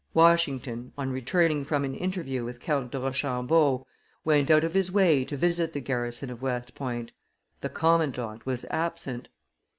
Washington, on returning from an interview with Count de Rochambeau, went out of his way to visit the garrison of West Point: the commandant was absent.